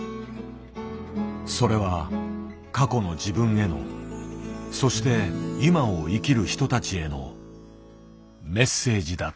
それは過去の自分へのそして今を生きる人たちへのメッセージだった。